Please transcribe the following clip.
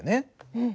うん。